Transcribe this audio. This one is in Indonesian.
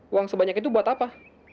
uang sebanyak itu buat apa